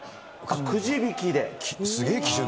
くじ引きで。